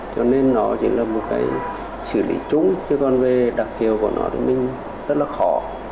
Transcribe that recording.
cho nên nó chỉ là một cái xử lý chung chứ còn về đặc hiệu của nó thì mình rất là khó